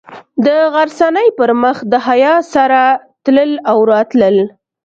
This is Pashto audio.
د غرڅنۍ پر مخ د حیا سره تلل او راتلل.